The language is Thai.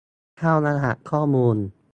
เข้ารหัสข้อมูล